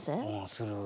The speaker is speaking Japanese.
する。